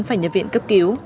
phải nhập viện cấp cứu